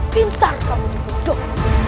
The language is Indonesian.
pintar kamu bodoh